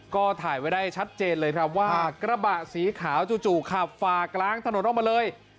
ก็ถ่ายไว้ได้ชัดเจนเลยครับว่ากระบะสีขาวจู่ขับฝากล้างถนนออกมาเลย